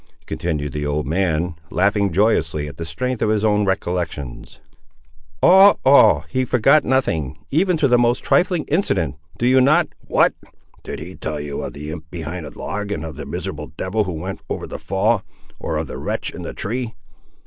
continued the old man, laughing joyously at the strength of his own recollections. "All—all—he forgot nothing, even to the most trifling incident. Do you not—" "What! did he tell you of the imp behind the log and of the miserable devil who went over the fall—or of the wretch in the tree?"